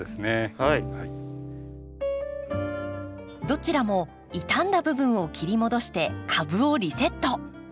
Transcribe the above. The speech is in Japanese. どちらも傷んだ部分を切り戻して株をリセット。